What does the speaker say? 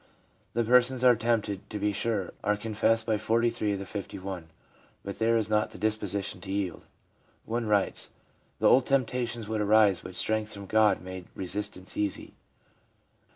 The persons are tempted, to be sure, as confessed by 43 of the 51 ; but there is not the disposition to yield. One writes :' The old temptations would arise, but strength from God made resistance easy.'